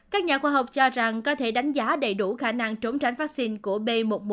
các nhà khoa học cho rằng có thể đánh giá đầy đủ khả năng trốn tránh vaccine của b một một năm trăm hai mươi chín